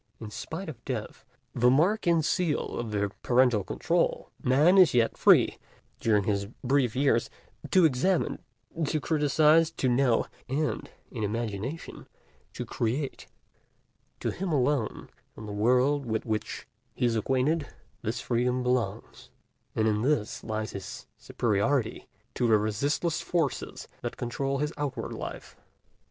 In spite of Death, the mark and seal of the parental control, Man is yet free, during his brief years, to examine, to criticize, to know, and in imagination to create. To him alone, in the world with which he is acquainted, this freedom belongs; and in this lies his superiority to the resistless forces that control his outward life.